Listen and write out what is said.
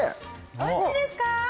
おいしいですか？